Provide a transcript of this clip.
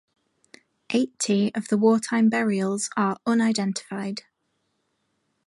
Eighty of the wartime burials are unidentified.